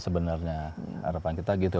sebenarnya tidak direkomendasikan